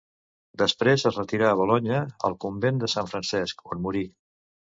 Després es retirà a Bolonya, al convent de Sant Francesc, on morí.